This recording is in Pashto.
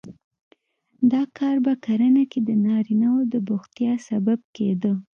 دا کار په کرنه کې د نارینه وو د بوختیا سبب کېده